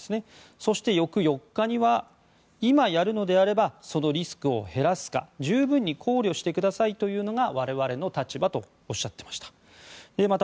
そして、翌４日には今やるのであればそのリスクを減らすか十分に考慮してくださいというのが我々の立場とおっしゃっていました。